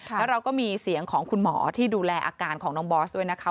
แล้วเราก็มีเสียงของคุณหมอที่ดูแลอาการของน้องบอสด้วยนะคะ